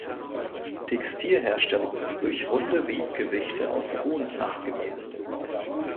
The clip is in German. Textilherstellung ist durch runde Webgewichte aus Ton nachgewiesen.